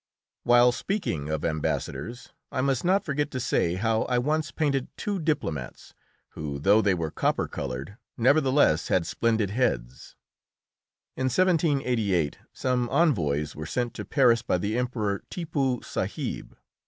While speaking of ambassadors, I must not forget to say how I once painted two diplomats, who, though they were copper coloured, nevertheless had splendid heads. In 1788 some envoys were sent to Paris by the Emperor Tippoo Sahib.